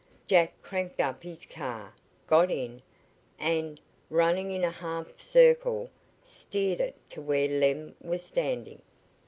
Jack cranked up his car, got in, and, running in a half circle, steered it to where Lem was standing.